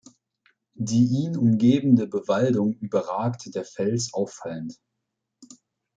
Die ihn umgebende Bewaldung überragt der Fels auffallend.